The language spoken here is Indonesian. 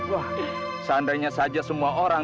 wah seandainya saja semua orang